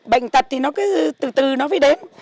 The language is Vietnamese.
bệnh tật thì nó cứ từ từ nó mới đến